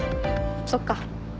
そっか。